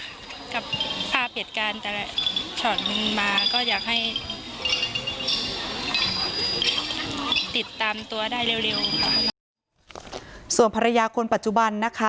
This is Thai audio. ติดตามตัวได้เร็วเร็วส่วนภรรยาคนปัจจุบันนะคะ